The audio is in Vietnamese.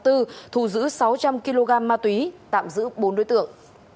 thu giữ sáu trăm linh kg ma túy tạm giữ bốn đối tượng